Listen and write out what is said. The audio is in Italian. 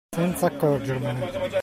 Senza accorgermene!